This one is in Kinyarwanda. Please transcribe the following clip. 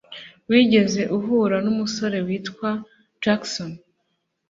Wigeze uhura numusore witwa Jackson?